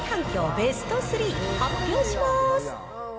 ベスト３、発表します。